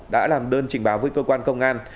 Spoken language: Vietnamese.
đã làm đơn trình báo với cơ quan công an